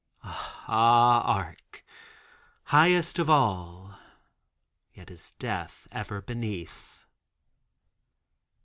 Ah Arc! Highest of all! Yet is death ever beneath!